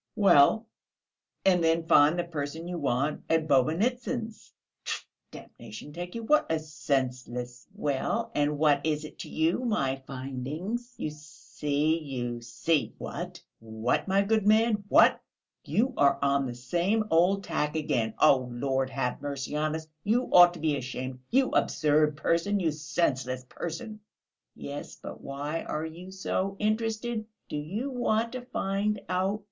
"Well, and then find the person you want at Bobynitsyn's. Tfoo, damnation take you, what a senseless...." "Well, and what is it to you, my finding? You see, you see!" "What, what, my good man? What? You are on the same old tack again. Oh, Lord have mercy on us! You ought to be ashamed, you absurd person, you senseless person!" "Yes, but why are you so interested? Do you want to find out...."